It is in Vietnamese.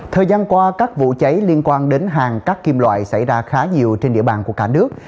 thời gian qua các vụ cháy liên quan đến hàng cát kim loại xảy ra khá nhiều trên địa bàn của cả nước